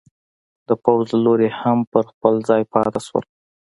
د پوځ له لوري هم پر خپل ځای پاتې شول.